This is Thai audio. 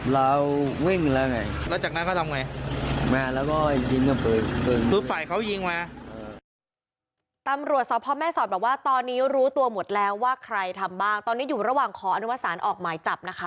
แล้วจากนั้นมาถึงทำไงเราอยู่ตรงไหน